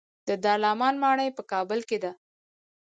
د دارالامان ماڼۍ په کابل کې ده